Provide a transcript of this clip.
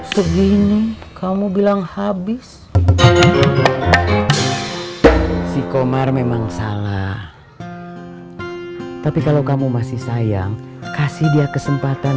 segini kamu bilang habis si komar memang salah tapi kalau kamu masih sayang kasih dia kesempatan